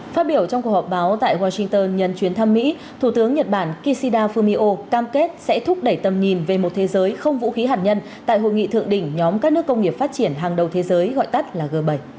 phát biểu trong cuộc họp báo tại washington nhấn chuyến thăm mỹ thủ tướng nhật bản kishida fumio cam kết sẽ thúc đẩy tầm nhìn về một thế giới không vũ khí hạt nhân tại hội nghị thượng đỉnh nhóm các nước công nghiệp phát triển hàng đầu thế giới gọi tắt là g bảy